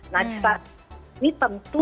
nah ini tentu